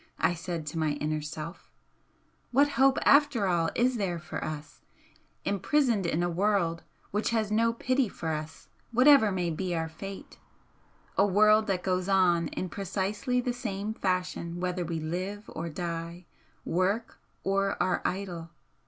I said to my inner self, what hope after all is there for us, imprisoned in a world which has no pity for us whatever may be our fate, a world that goes on in precisely the same fashion whether we live or die, work or are idle?